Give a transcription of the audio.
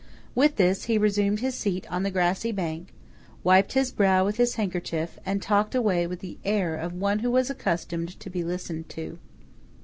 With this he resumed his seat on the grassy bank, wiped his brow with his handkerchief, and talked away with the air of one who was accustomed to be listened to.